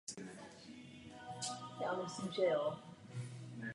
Proto je standardizace velice obtížná a náklady na změnu odběratele vysoké.